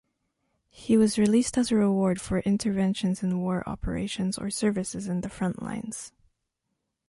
He was released as a reward for interventions in war operations or services in the front lines.